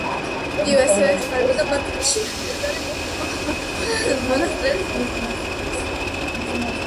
იგი ასევე ეხმარებოდა მადრიდში მდებარე მონასტრების მონაზვნებს.